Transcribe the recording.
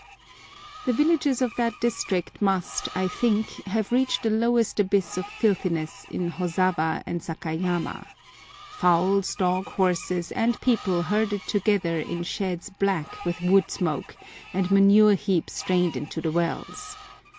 The villages of that district must, I think, have reached the lowest abyss of filthiness in Hozawa and Saikaiyama. Fowls, dogs, horses, and people herded together in sheds black with wood smoke, and manure heaps drained into the wells.